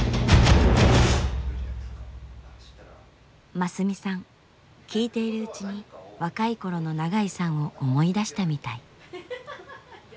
真寿美さん聞いているうちに若い頃の長井さんを思い出したみたい。